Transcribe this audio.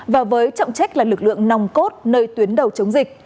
và với trọng trách là lực lượng nòng cốt nơi tuyến đầu chống dịch